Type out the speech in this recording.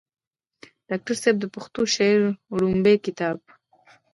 ډاکټر صېب د پښتو شاعرۍ وړومبے کتاب